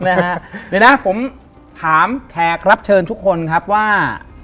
เดี๋ยวนะผมถามแขกรับเชิญทุกคนครับว่า